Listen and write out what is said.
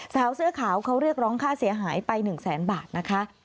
สาวเสื้อขาวเขาเรียกร้องค่าเสียหายไป๑แสนบาทนะคะ